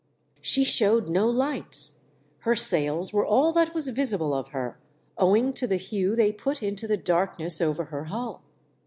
She showed no lights — her sails were all that was visible of her, owing to the hue they put into the dark ness over her hull.